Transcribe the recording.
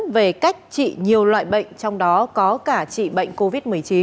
về cách trị nhiều loại bệnh trong đó có cả trị bệnh covid một mươi chín